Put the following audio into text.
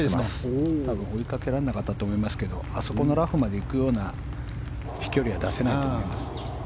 多分追いかけられなかったと思いますがあそこのラフに行くような飛距離は出せないと思います。